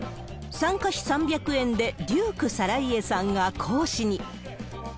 参加費３００円で、デューク更家さんが講師に。